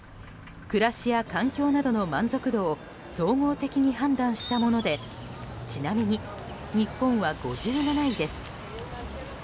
暮らしや環境などの満足度を総合的に判断したものでちなみに日本は５７位です。